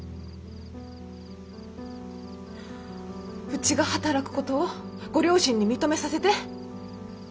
うちが働くことをご両親に認めさせて。